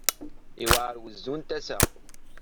Yewɛer wuzzu n tasa.